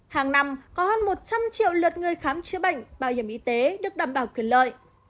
hàng năm có hơn một trăm linh triệu lượt người khám chữa bệnh bảo hiểm y tế được đảm bảo quyền lợi